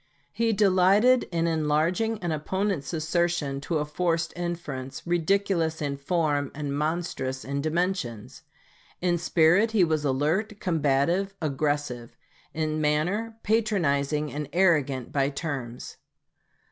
He delighted in enlarging an opponent's assertion to a forced inference ridiculous in form and monstrous in dimensions. In spirit he was alert, combative, aggressive; in manner, patronizing and arrogant by turns.